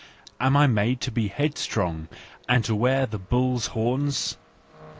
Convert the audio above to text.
Am I made to be headstrong, and to wear the bull's horns?